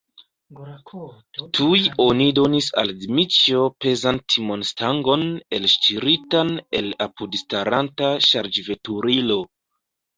Tuj oni donis al Dmiĉjo pezan timonstangon, elŝiritan el apudstaranta ŝarĝveturilo.